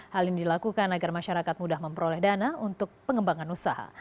hal ini dilakukan agar masyarakat mudah memperoleh dana untuk pengembangan usaha